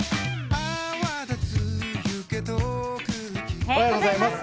おはようございます。